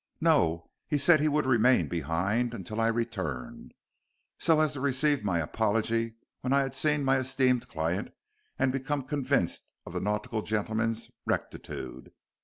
"No. He said he would remain behind until I returned, so as to receive my apology when I had seen my esteemed client and become convinced of the nautical gentleman's rectitude.